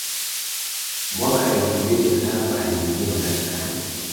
Mwaka elfu mbili na tano aliingia madarakani